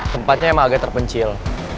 tempatnya emang agak terpencil